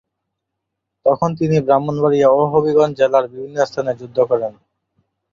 তখন তিনি ব্রাহ্মণবাড়িয়া ও হবিগঞ্জ জেলার বিভিন্ন স্থানে যুদ্ধ করেন।